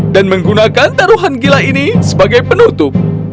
dan menggunakan taruhan gila ini sebagai penutup